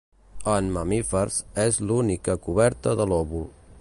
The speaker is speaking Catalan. En mamífers és l'única coberta de l'òvul.